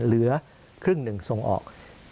เหลือครึ่งหนึ่งส่งออก